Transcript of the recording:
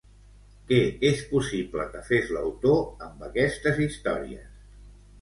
Què és possible que fes l'autor amb aquestes històries?